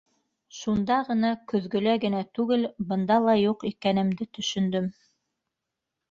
Шунда ғына көҙгөлә генә түгел, бында ла юҡ икәнемде төшөндөм.